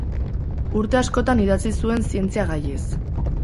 Urte askotan idatzi zuen zientzia gaiez.